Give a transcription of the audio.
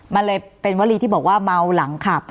มันเลยเป็นวรีที่บอกว่าเมาหลังขับ